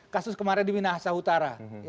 kasus kemarin di minahasa utara